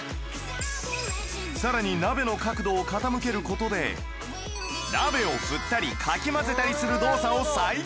更に鍋の角度を傾ける事で鍋を振ったりかき混ぜたりする動作を再現